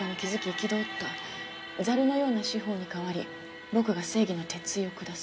「ザルのような司法に代わり僕が正義の鉄槌を下す」